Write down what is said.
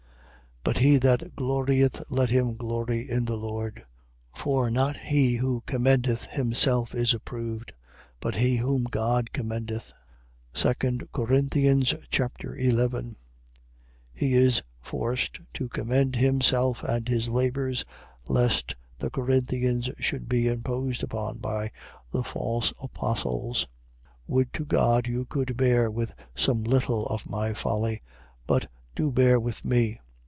10:17. But he that glorieth, let him glory in the Lord. 10:18. For not he who commendeth himself is approved: but he, whom God commendeth. 2 Corinthians Chapter 11 He is forced to commend himself and his labours, lest the Corinthians should be imposed upon by the false apostles. 11:1. Would to God you could bear with some little of my folly! But do bear with me.